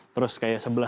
terus kayak sebelah